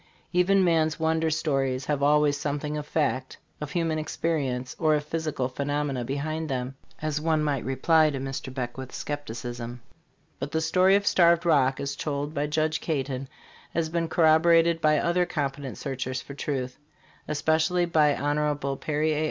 Even man's wonder stories have always something of fact, of human experience, or of physical pheno mena behind them, as one might reply to Mr. Beckwith's skepticism. But the story of Starved Rock, as told by Judge Caton, has been corroborated by other competent searchers for truth, especially by Hon. Perry A.